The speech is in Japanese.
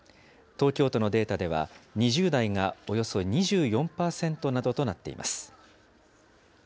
東京都のデータでは、２０代がおよそ２４％などとなっています。